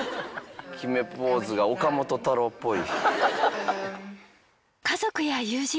決めポーズが岡本太郎っぽい。